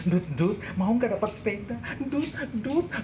dud dud mau gak dapat sepeda dud dud